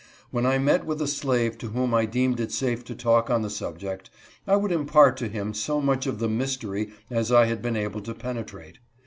When I met with a slave to whom I deemed it safe to talk on the subject, I would impart to him so much of the mystery as I had been able to penetrate.